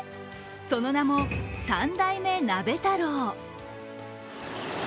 その名も三代目鍋太郎。